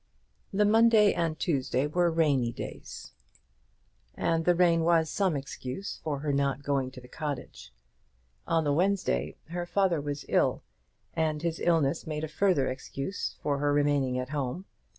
The Monday and Tuesday were rainy days, and the rain was some excuse for her not going to the cottage. On the Wednesday her father was ill, and his illness made a further excuse for her remaining at home.